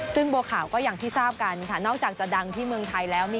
ซึ่งบัวขาวก็อย่างที่ทราบกันค่ะนอกจากจะดังที่เมืองไทยแล้ว